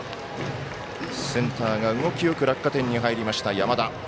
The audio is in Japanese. センターが動きよく落下点に入りました、山田。